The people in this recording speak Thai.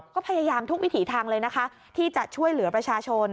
ก็พยายามทุกวิถีทางเลยนะคะที่จะช่วยเหลือประชาชน